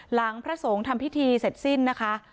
พระสงฆ์ทำพิธีเสร็จสิ้นนะคะ